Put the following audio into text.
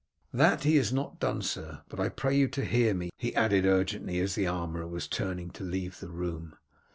"That he has not done, sir; but I pray you to hear me," he added urgently as the armourer was turning to leave the room.